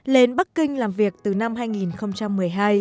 lên bắc kinh làm việc từ năm hai nghìn một mươi hai